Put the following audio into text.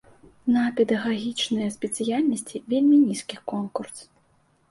На педагагічныя спецыяльнасці вельмі нізкі конкурс.